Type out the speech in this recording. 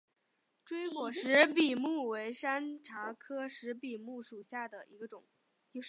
锥果石笔木为山茶科石笔木属下的一个种。